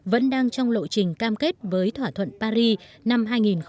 vẫn đang trong lộ trình cam kết với thỏa thuận paris năm hai nghìn một mươi năm